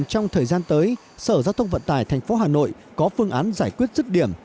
trong thời gian tới sở giao thông vận tài thành phố hà nội có phương án giải quyết rút điểm